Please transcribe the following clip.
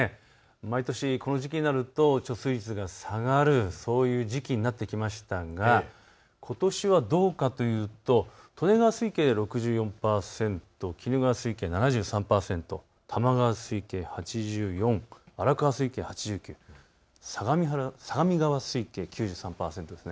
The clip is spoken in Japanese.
毎年この時期になると貯水率が下がる、そういう時期になってきましたがことしはどうかというと利根川水系６４％、鬼怒川水系７３％、多摩川水系８４、荒川水系８９、相模川水系９３％です。